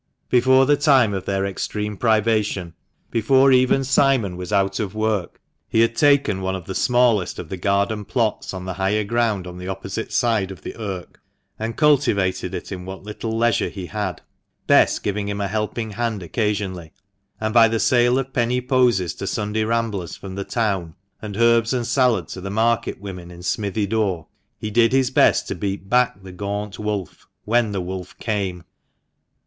Before the time of their extreme privation, before even Simon was out of work, he had taken one of the smallest of the garden plots on the higher ground on the opposite side of the Irk, and cultivated it in what little leisure he had, Bess giving him a helping hand occasionally, and by the sale of penny posies to Sunday ramblers from the town, and herbs and salad to the market women in Smithy door, he did his best to beat back the gaunt wolf when the wolf came.